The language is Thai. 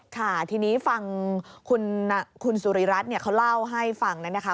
ค่ะทีนี้ฟังคุณสุริรัตน์เขาเล่าให้ฟังนะคะ